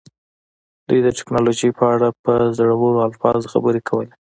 دوی د ټیکنالوژۍ په اړه په زړورو الفاظو خبرې کولې